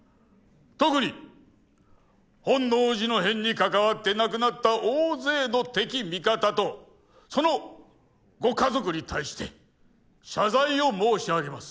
特に本能寺の変に関わって亡くなった大勢の敵味方とそのご家族に対して謝罪を申し上げます。